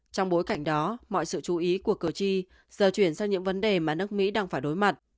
trong bối cảnh đó mọi sự chú ý của cử tri giờ chuyển sang những vấn đề mà nước mỹ đang phải đối mặt